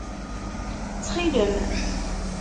Ttxil-m!